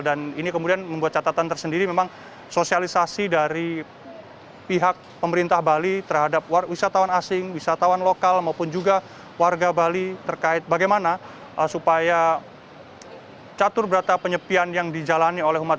dan ini kemudian membuat catatan tersendiri memang sosialisasi dari pihak pemerintah bali terhadap wisatawan asing wisatawan lokal maupun juga warga bali terkait bagaimana supaya catur berata penyepian yang dijalani oleh humat